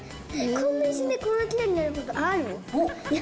こんな一瞬でこんなきれいになることある？